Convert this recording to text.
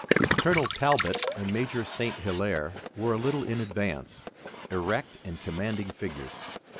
Colonel Talbot and Major St. Hilaire were a little in advance, erect and commanding figures.